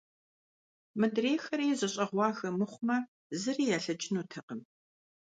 Мыдрейхэри зэщӀэгъуагэ мыхъумэ, зыри ялъэкӀынутэкъым.